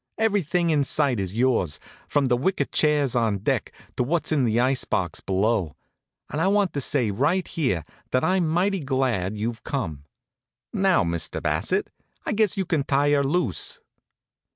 Everything in sight is yours, from, the wicker chairs on deck, to what's in the ice box below. And I want to say right here that I'm mighty glad you've come. Now, Mr. Bassett, I guess you can tie her loose."